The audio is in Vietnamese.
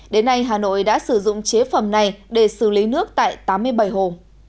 đến nay hà nội đã sử dụng chế phẩm này để xử lý nước tại tám mươi bảy hồ